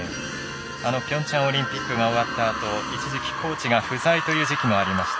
ピョンチャンオリンピックが終わったあと一時期コーチが不在という時期がありました。